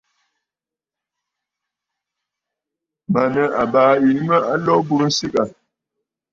Mə̀ nɨ àbaa yìi mə a lo a aburə nsɨgə aà.